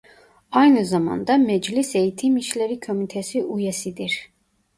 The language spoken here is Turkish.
Aynı zamanda Meclis Eğitim İşleri Komitesi üyesidir.